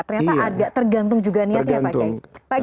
ternyata ada tergantung juga niatnya pak gai